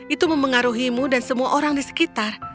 itu mempengaruhimu dan semua orang di sekitar